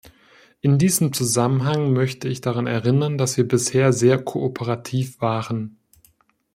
In diesem Zusammenhang möchte ich daran erinnern, dass wir bisher sehr kooperativ waren.